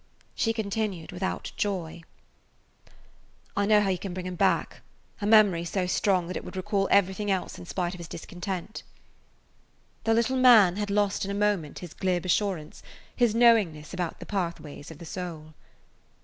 She continued without joy: "I know how you could bring him back [Page 165] –a memory so strong that it would recall everything else in spite of his discontent." The little man had lost in a moment his glib assurance, his knowingness about the pathways of the soul.